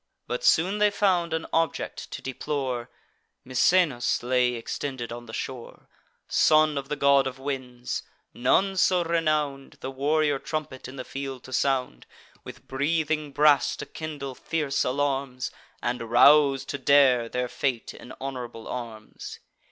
But soon they found an object to deplore: Misenus lay extended on the shore; Son of the God of Winds: none so renown'd The warrior trumpet in the field to sound; With breathing brass to kindle fierce alarms, And rouse to dare their fate in honourable arms.